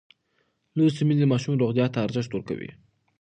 لوستې میندې د ماشوم روغتیا ته ارزښت ورکوي.